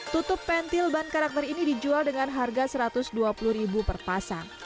tutup pentil ban karakter ini dijual dengan harga satu ratus dua puluh ribu per pasang